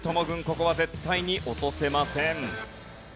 ここは絶対に落とせません。